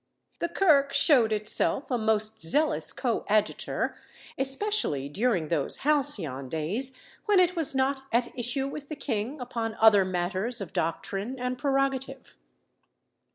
The Kirk shewed itself a most zealous coadjutor, especially during those halcyon days when it was not at issue with the king upon other matters of doctrine and prerogative.